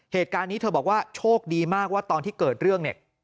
เหตุการณ์นี้เธอบอกว่าโชคดีมากว่าตอนที่เกิดเรื่องเนี่ย